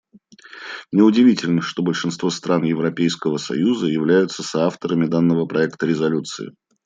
Неудивительно, что большинство стран Европейского союза являются соавторами данного проекта резолюции.